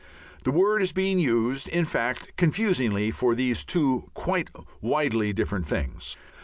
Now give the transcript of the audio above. The word is being used, in fact, confusingly for these two quite widely different things.